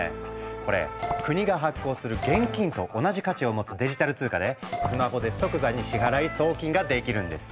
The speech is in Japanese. これ国が発行する現金と同じ価値を持つデジタル通貨でスマホで即座に支払い・送金ができるんです。